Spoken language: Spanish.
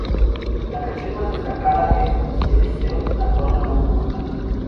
La canción más destacada es Lose Yourself, la cual ganó un Oscar.